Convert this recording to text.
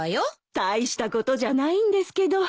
たいしたことじゃないんですけど。